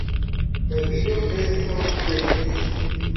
Davido preskaŭ svenis.